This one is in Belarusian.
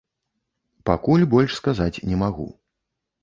Пакуль больш сказаць не магу.